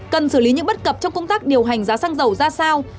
cần xử lý những bất cập trong công tác điều hành giá xăng dầu ra sao